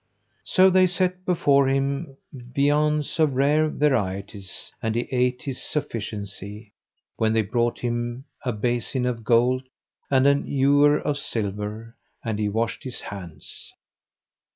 So they set before him viands of rare varieties, and he ate his sufficiency, when they brought him a basin of gold and an ewer of silver, and he washed his hands.